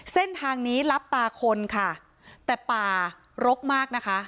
เส้นทางนี้รับตาคนค่ะแต่ป่ารกมากนะคะ